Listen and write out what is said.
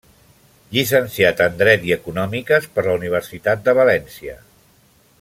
Llicenciat en dret i econòmiques per la Universitat de València.